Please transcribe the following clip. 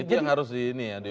itu yang harus di ini ya